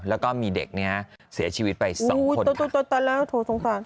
แล้วก็มีเด็กนี้ฮะเสียชีวิตไปสองคนค่ะโถ่ตัดแล้วโถ่สงสัย